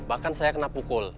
bahkan saya kena pukul